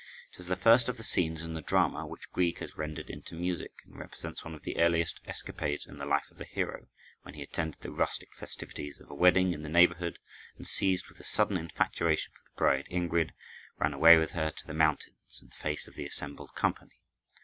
It is the first of the scenes in the drama which Grieg has rendered into music, and represents one of the earliest escapades in the life of the hero, when he attended the rustic festivities of a wedding in the neighborhood, and, seized with a sudden infatuation for the bride, Ingrid, ran away with her to the mountains, in the face of the assembled company.